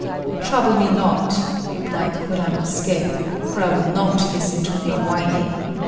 "Trouble me not," replied Kuranosuké, "for I will not listen to your whining.